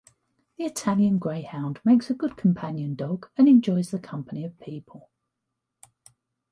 The Italian Greyhound makes a good companion dog and enjoys the company of people.